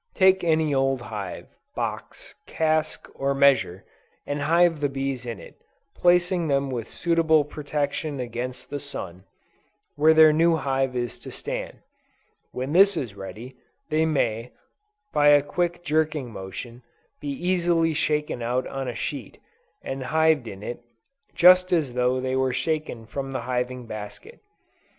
Take any old hive, box, cask, or measure, and hive the bees in it, placing them with suitable protection against the sun, where their new hive is to stand; when this is ready, they may, by a quick jerking motion, be easily shaken out on a sheet, and hived in it, just as though they were shaken from the hiving basket.